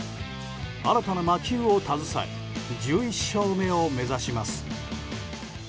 新たな魔球を携え１１勝目を目指します。